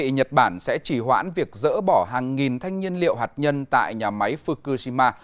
nhật bản sẽ chỉ hoãn việc dỡ bỏ hàng nghìn thanh nhiên liệu hạt nhân tại nhà máy fukushima